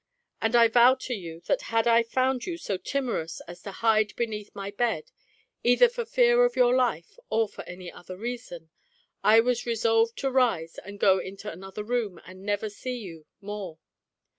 And I vow to you that had I found you so timorous as to hide beneath my bed, either for fear of your life or for any other reason, I was resolved to rise and go into another room and never see you more.